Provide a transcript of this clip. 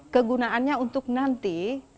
kegunaannya untuk nanti